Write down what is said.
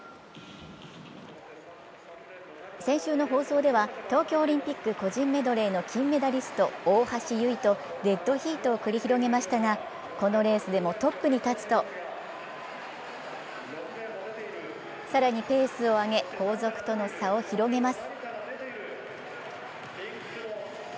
先週の放送では東京オリンピック個人メドレーの金メダリスト、大橋とデッドヒートを繰り広げましたが、このレースでもトップに立つと更にペースを上げ、後続との差を広げます。